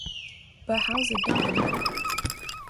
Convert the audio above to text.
But how's it done?